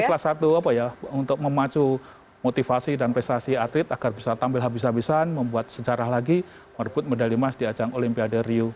ini salah satu apa ya untuk memacu motivasi dan prestasi atlet agar bisa tampil habis habisan membuat sejarah lagi merebut medali emas di ajang olimpiade rio